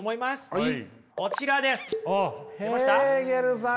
はい。